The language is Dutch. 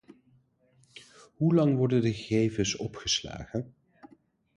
Hoe lang worden de gegevens opgeslagen?